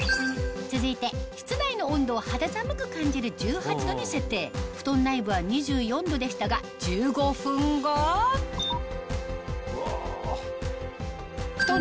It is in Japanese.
続いて室内の温度を肌寒く感じる１８℃に設定ふとん内部は２４℃でしたが１５分後ふとん